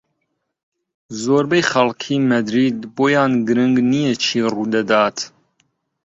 زۆربەی خەڵکی مەدرید بۆیان گرنگ نییە چی ڕوودەدات.